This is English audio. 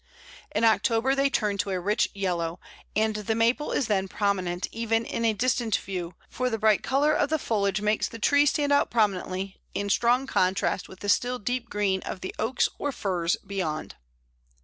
In October they turn to a rich yellow, and the Maple is then prominent even in a distant view, for the bright colour of the foliage makes the tree stand out prominently, in strong contrast with the still deep green of the Oaks or Firs beyond.